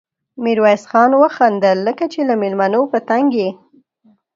ميرويس خان وخندل: لکه چې له مېلمنو په تنګ يې؟